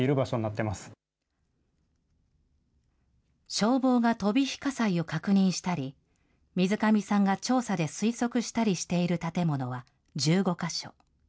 消防が飛び火火災を確認したり、水上さんが調査で推測したりしている建物は１５か所。